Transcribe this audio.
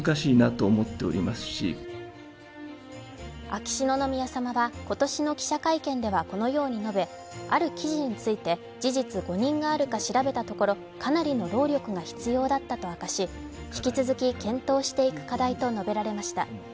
秋篠宮さまは今年の記者会見ではこのように述べ、ある記事について事実誤認があるか調べたところかなりの労力が必要だったと明かし引き続き、検討していく課題と述べられました。